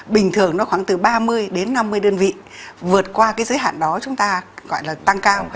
bình thường nó khoảng từ ba mươi đến năm mươi đơn vị vượt qua cái giới hạn đó chúng ta gọi là tăng cao